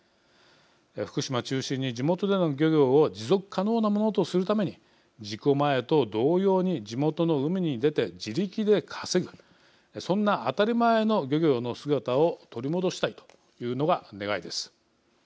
福島中心に地元での漁業を持続可能なものとするために事故前と同様に地元の海に出て、自力で稼ぐそんな当たり前の漁業の姿を取り戻したいというのが願いです。